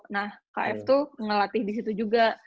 nah kf tuh ngelatih disitu juga